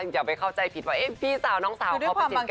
อย่าไปเข้าใจผิดว่าพี่สาวน้องสาวเข้าไปกันได้ยังไง